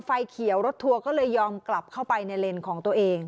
ไฟเขียวรถทัวร์ก็เลยยอมกลับเข้าไปในเลนส์ของตัวเอง